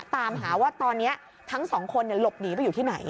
ตามหาว่าตอนนี้ทั้งสองคนหลบหนีไปอยู่ที่ไหน